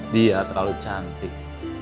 dia terlalu cantik